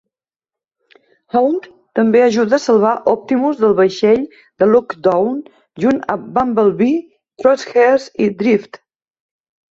Hound també ajuda a salvar Optimus del vaixell de Lockdown junt amb Bumblebee, Crosshairs i Drift.